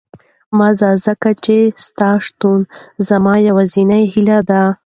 مه ځه، ځکه چې ستا شتون زما یوازینۍ هیله ده.